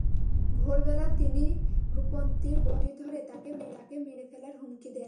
ভোরবেলা তিনি রূপন্তীর গলায় বঁটি ধরে তাকে মেরে ফেলার হুমকি দেন।